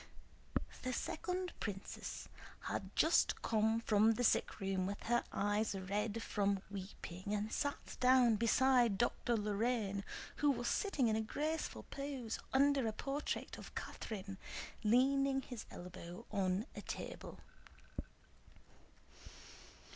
The second princess had just come from the sickroom with her eyes red from weeping and sat down beside Dr. Lorrain, who was sitting in a graceful pose under a portrait of Catherine, leaning his elbow on a table.